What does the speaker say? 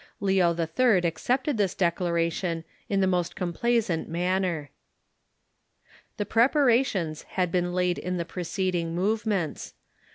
Leo IH. accepted this declaration in the most complaisant manner. The preparations had been laid in the preceding move ments.